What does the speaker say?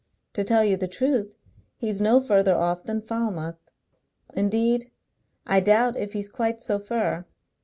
To tell you the truth, he's no further off than Falmouth. Indeed, I doubt if he's quite so fur.